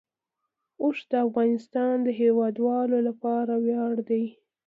اوښ د افغانستان د هیوادوالو لپاره ویاړ دی.